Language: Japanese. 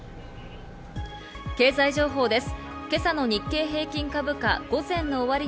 経済情報です。